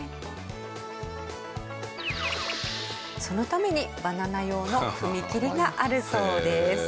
そのためにバナナ用の踏切があるそうです。